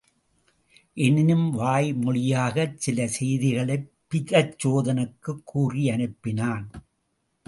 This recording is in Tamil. எனினும் வாய் மொழியாகச் சில செய்திகளைப் பிரச்சோதனனுக்குக் கூறி அனுப்பினான்.